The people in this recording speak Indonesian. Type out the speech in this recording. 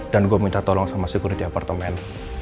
dan gue minta tolong sama security apartemen